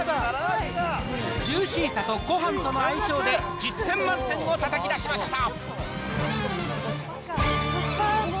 ジューシーさとごはんとの相性で１０点満点をたたき出しました。